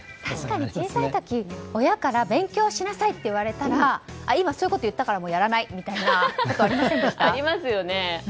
確かに小さい時親から勉強しなさいと言われたら今そういうこと言ったからやらない！みたいなことありませんでした？